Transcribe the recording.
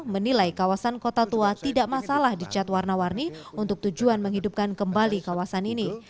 menilai kawasan kota tua tidak masalah dicat warna warni untuk tujuan menghidupkan kembali kawasan ini